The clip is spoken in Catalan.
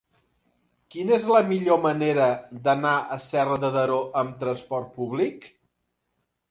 Quina és la millor manera d'anar a Serra de Daró amb trasport públic?